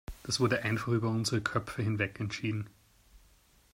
Das wurde einfach über unsere Köpfe hinweg entschieden.